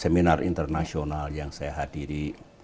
seminar internasional yang saya hadiri